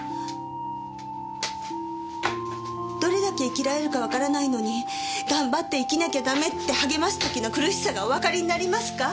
どれだけ生きられるかわからないのに「頑張って生きなきゃ駄目」って励ます時の苦しさがおわかりになりますか？